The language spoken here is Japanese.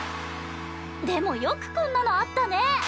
でもよくこんなのあったね。